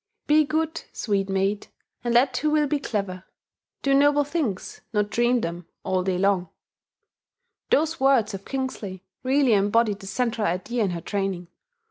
"Be good, sweet maid, and let who will be clever: do noble things, not dream them, all day long" those words of Kingsley really embody the central idea in her training.